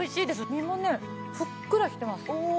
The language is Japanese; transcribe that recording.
身もねふっくらしてます。